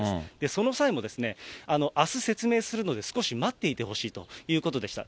その際も、あす説明するので少し待っていてほしいということでした。